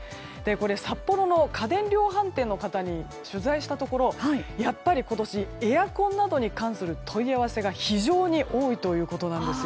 札幌の家電量販店の方に取材したところやっぱり今年、エアコンなどに関する問い合わせが非常に多いということなんです。